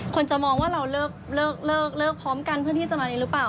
คนจะมองว่าเราเลิกพร้อมกันเพื่อที่จะมานี้หรือเปล่า